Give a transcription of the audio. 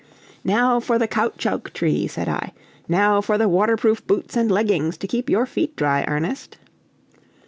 "Now for the caoutchouc tree," said I; "now for the waterproof boots and leggings to keep your feet dry, Ernest."